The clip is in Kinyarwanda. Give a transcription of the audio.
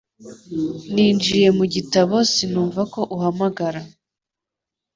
Ninjiye mu gitabo sinumva ko uhamagara